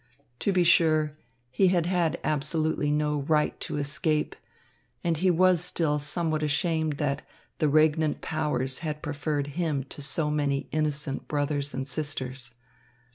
To be sure, he had had absolutely no right to escape, and he was still somewhat ashamed that the regnant powers had preferred him to so many innocent brothers and sisters.